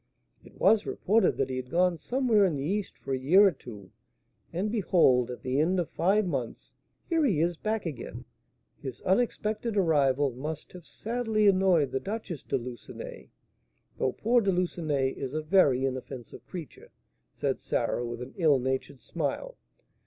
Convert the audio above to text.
"It was reported that he had gone somewhere in the East for a year or two, and behold, at the end of five months, here he is back again! His unexpected arrival must have sadly annoyed the Duchess de Lucenay, though poor De Lucenay is a very inoffensive creature," said Sarah, with an ill natured smile.